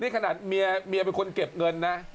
นี่ขนาดเมียเป็นคนเก็บเงินนะ